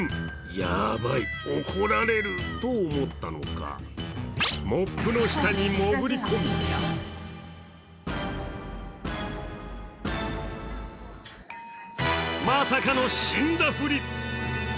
ヤバイ、怒られると思ったのかモップの下に潜り込みまさかの死んだふり。